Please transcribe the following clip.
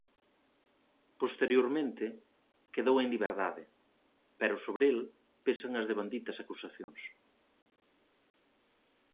Posteriormente quedou en liberdade, pero sobre el pesan as devanditas acusacións.